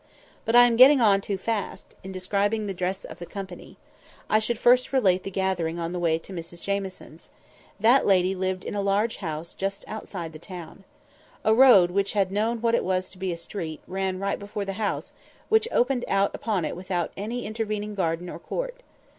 But I am getting on too fast, in describing the dresses of the company. I should first relate the gathering on the way to Mrs Jamieson's. That lady lived in a large house just outside the town. A road which had known what it was to be a street ran right before the house, which opened out upon it without any intervening garden or court.